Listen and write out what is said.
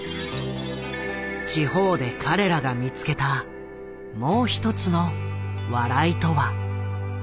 地方で彼らが見つけたもうひとつの笑いとは。